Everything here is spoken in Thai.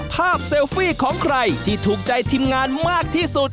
เซลฟี่ของใครที่ถูกใจทีมงานมากที่สุด